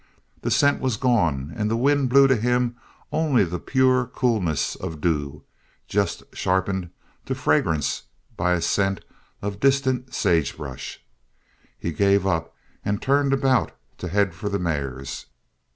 The scent was gone and the wind blew to him only the pure coolness of dew, just sharpened to fragrance by a scent of distant sagebrush. He gave up and turned about to head for the mares.